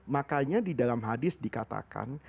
makanya di dalam hadis dikatakan